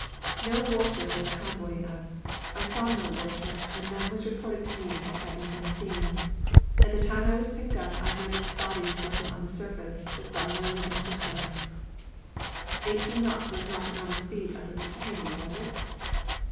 "No warship was convoying us. I saw no warship, and none was reported to me as having been seen. At the time I was picked up I noticed bodies floating on the surface, but saw no living persons." "Eighteen knots was not the normal speed of the Lusitania, was it?"